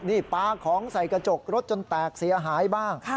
นี่ปลาของใส่กระจกรถจนแตกเสียหายบ้าง